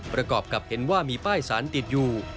ประกอบกับเห็นว่ามีป้ายสารติดอยู่